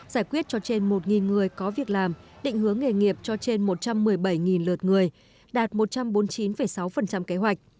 giải quyết cho trên một người có việc làm định hướng nghề nghiệp cho trên một trăm một mươi bảy lượt người đạt một trăm bốn mươi chín sáu kế hoạch